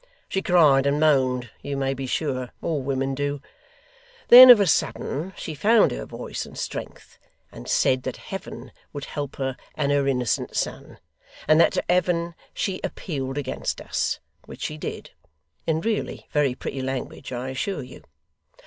She cried and moaned, you may be sure; all women do. Then, of a sudden, she found her voice and strength, and said that Heaven would help her and her innocent son; and that to Heaven she appealed against us which she did; in really very pretty language, I assure you.